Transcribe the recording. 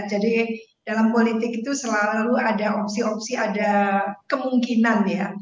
jadi dalam politik itu selalu ada opsi opsi ada kemungkinan ya